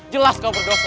jelas kau berdosa